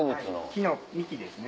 木の幹ですね。